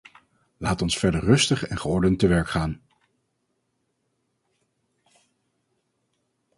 Laat ons verder rustig en geordend te werk gaan!